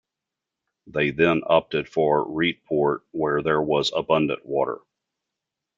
They then opted for "Rietpoort", where there was abundant water.